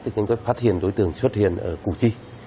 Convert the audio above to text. thì chúng tôi phát hiện đối tượng xuất hiện ở củ chi